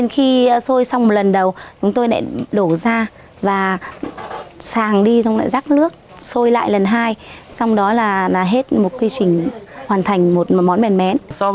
thì chị sẽ giới thiệu với đức minh món gì tiếp theo